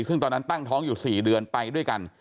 ซึ่งตอนนั้นตั้งท้องอยู่๔เดือนไปด้วยกัน